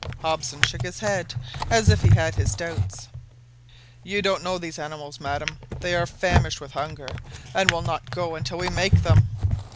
Hobson shook his head as if he had his doubts. "You don't know these animals, madam. They are famished with hunger, and will not go until we make them!"